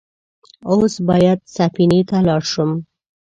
اوس بايد سفينې ته لاړ شم.